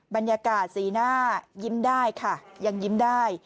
บรรยากาศสีหน้ายิ้มได้ค่ะยังยิ้มได้